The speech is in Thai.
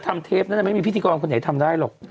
ไม่มีพิธีกรคนไหนทำได้หรอก